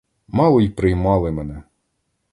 Мало й приймали мене.